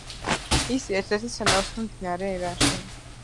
არის ერთადერთი სანაოსნო მდინარე ირანში.